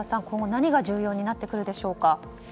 今後、何が重要になってくるでしょうか。